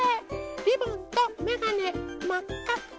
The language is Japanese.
リボンとめがねまっかっか。